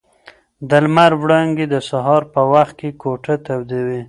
د لمر وړانګې د سهار په وخت کې کوټه تودوي.